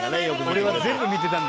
俺は全部見てたの。